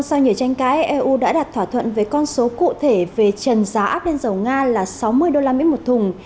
sau nhiều tranh cãi eu đã đặt thỏa thuận về con số cụ thể về trần giá áp lên dầu nga là sáu mươi usd một thùng